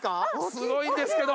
すごいんですけど。